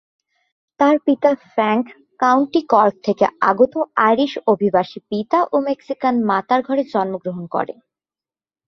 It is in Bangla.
তার পিতা ফ্র্যাঙ্ক কাউন্টি কর্ক থেকে আগত আইরিশ অভিবাসী পিতা ও মেক্সিকান মাতার ঘরে জন্মগ্রহণ করেন।